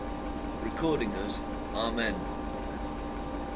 Recording as Amen!